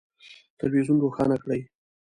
تلویزون روښانه کړئ